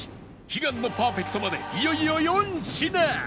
悲願のパーフェクトまでいよいよ４品